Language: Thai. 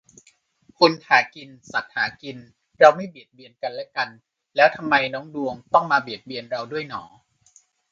คนหากิน สัตว์หากิน เราไม่เบียดเบียนกันและกัน แล้วทำไมน้องดวงต้องมาเบียดเราด้วยหนอ